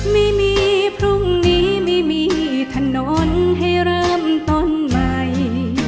ไม่มีพรุ่งนี้ไม่มีถนนให้เริ่มต้นใหม่